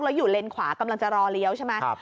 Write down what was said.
แล้วอยู่เลนขวากำลังจะรอเลี้ยวใช่ไหม